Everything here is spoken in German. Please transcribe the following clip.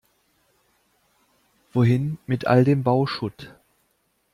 Wohin mit all dem Bauschutt?